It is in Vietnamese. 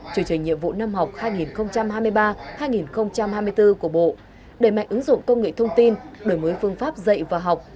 chủ trình nhiệm vụ năm học hai nghìn hai mươi ba hai nghìn hai mươi bốn của bộ đề mạnh ứng dụng công nghệ thông tin đổi mới phương pháp dạy và học